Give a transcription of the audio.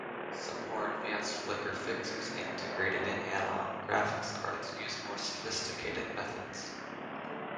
Some more advanced flicker fixers integrated in add-on graphics cards use more sophisticated methods.